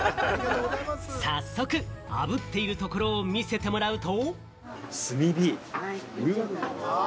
早速あぶっているところを見せてもらうと。